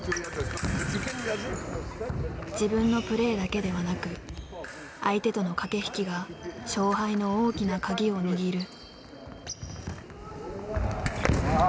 自分のプレーだけではなく相手との駆け引きが勝敗の大きな鍵を握る。